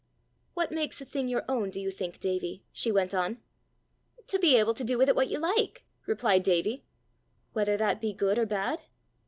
"What makes a thing your own, do you think, Davie?" she went on. "To be able to do with it what you like," replied Davie. "Whether that be good or bad?"